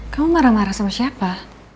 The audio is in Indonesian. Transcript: kamu marah marah sama siapa